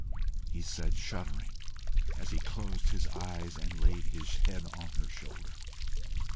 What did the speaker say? he said, shuddering, as he closed his eyes and laid his head on her shoulder.